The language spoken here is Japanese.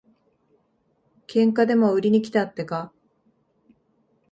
喧嘩でも売りにきたってか。